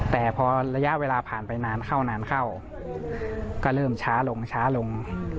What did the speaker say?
แต่พอระยะเวลาผ่านไปนานเข้านานเข้าก็เริ่มช้าลงช้าลง